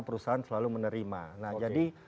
perusahaan selalu menerima nah jadi